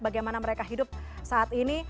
bagaimana mereka hidup saat ini